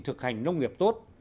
thực hành nông nghiệp tốt